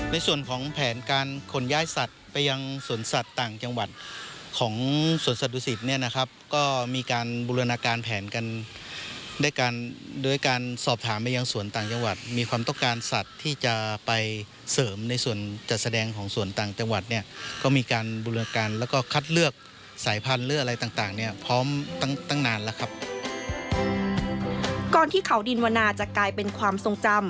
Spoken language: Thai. ในส่วนของแผนการขนย่ายสัตว์ไปยังสวนสัตว์ต่างจังหวัดของสวนสัตว์ดุสิตเนี่ยนะครับก็มีการบุรณาการแผนกันได้การด้วยการสอบถามไปยังสวนต่างจังหวัดมีความต้องการสัตว์ที่จะไปเสริมในส่วนจัดแสดงของสวนต่างจังหวัดเนี่ยก็มีการบุรณาการแล้วก็คัดเลือกสายพันธุ์เลือกอะไรต่างเนี่ยพร้อมต